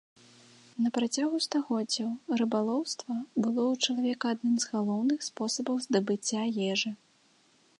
На працягу стагоддзяў рыбалоўства было ў чалавека адным з галоўных спосабаў здабыцця ежы.